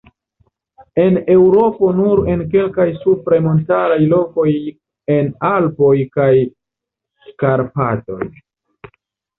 En Eŭropo nur en kalkaj supraj montaraj lokoj en Alpoj kaj Karpatoj.